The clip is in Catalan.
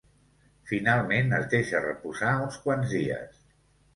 Finalment, es deixa reposar uns quants dies.